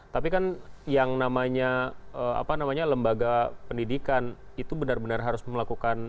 tapi kan yang namanya lembaga pendidikan itu benar benar harus melakukan